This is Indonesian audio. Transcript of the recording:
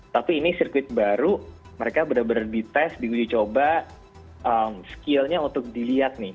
tapi ini sirkuit baru mereka benar benar dites dicoba skill nya untuk dilihat nih